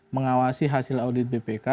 mengawasi hasil audit bpk